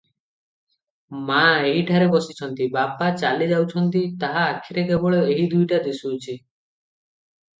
ମା’ ଏହିଠାରେ ବସିଛନ୍ତି, ବାପା ଚାଲି ଯାଉଛନ୍ତି, ତାହା ଆଖିରେ କେବଳ ଏହି ଦୁଇଟା ଦିଶୁଅଛି ।